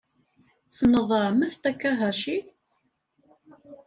Tessneḍ Mass Takahashi?